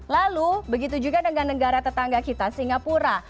lalu begitu juga dengan negara tetangga kita singapura